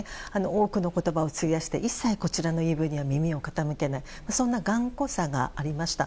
多くの言葉を費やして一切こちらの言い分には耳を傾けないそんな頑固さがありました。